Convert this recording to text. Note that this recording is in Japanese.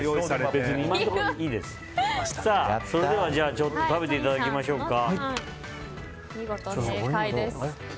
それでは食べていただきましょうか。